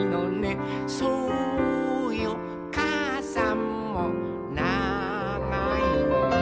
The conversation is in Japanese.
「そうよかあさんもながいのよ」